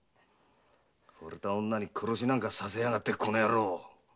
惚れた女に殺しなんかさせやがってこの野郎！